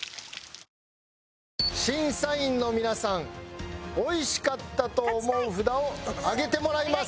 審査員の皆さんおいしかったと思う札を上げてもらいます。